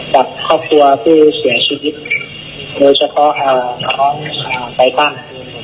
กับครอบครัวผู้เสียชีวิตโดยเฉพาะไต้ตั้ง